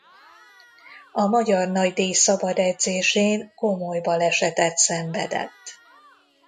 A magyar nagydíj szabadedzésén komoly balesetet szenvedett.